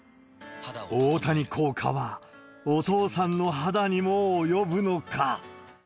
大谷効果はお父さんの肌にも及ぶのか。